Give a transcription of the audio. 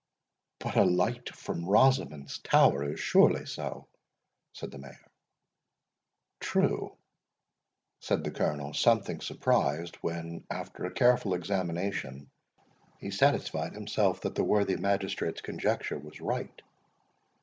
"But a light from Rosamond's Tower is surely so," said the Mayor. "True," said the Colonel, something surprised, when, after a careful examination, he satisfied himself that the worthy magistrate's conjecture was right.